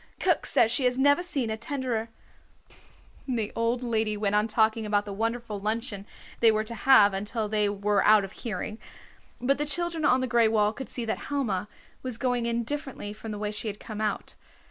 Cook says she has never seen a tenderer " The old lady went on talking about the wonderful luncheon they were to have until they were out of hearing. But the children on the gray wall could see that Helma was going in differently from the way she had come out.